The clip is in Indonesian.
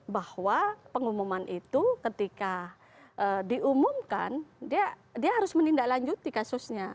bahwa pengumuman itu ketika diumumkan dia harus menindaklanjuti kasusnya